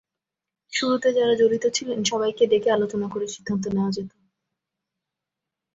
শুরুতে যাঁরা জড়িত ছিলেন, সবাইকে ডেকে আলোচনা করে সিদ্ধান্ত নেওয়া যেত।